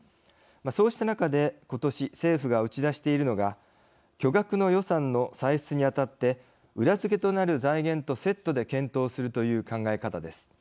そうした中で今年政府が打ち出しているのが巨額の予算の歳出に当たって裏付けとなる財源とセットで検討するという考え方です。